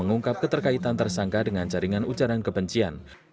mengungkap keterkaitan tersangka dengan jaringan ujaran kebencian